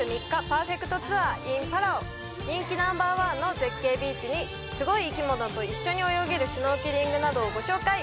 パーフェクトツアーｉｎパラオ人気ナンバーワンの絶景ビーチにすごい生き物と一緒に泳げるシュノーケリングなどをご紹介！